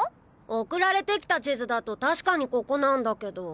送られて来た地図だと確かにここなんだけど。